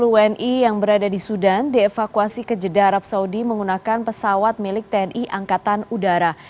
sepuluh wni yang berada di sudan dievakuasi ke jeddah arab saudi menggunakan pesawat milik tni angkatan udara